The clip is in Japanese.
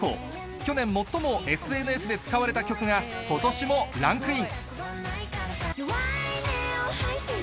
去年、最もＳＮＳで使われた曲が、ことしもランクイン。